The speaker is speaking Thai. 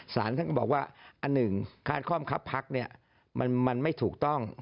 สารท่านก็บอกว่าอันหนึ่งคาดคล่อมคับพักมันไม่ถูกต้อง